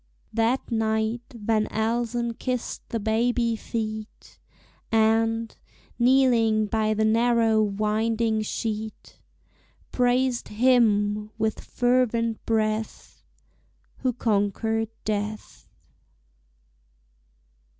That night Van Elsen kissed the baby feet, And, kneeling by the narrow winding sheet, Praised Him with fervent breath Who conquered death.